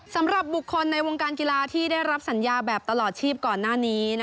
สำหรับบุคคลในวงการกีฬาที่ได้รับสัญญาแบบตลอดชีพก่อนหน้านี้